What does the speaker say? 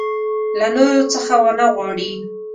له نورو څه ونه وغواړي.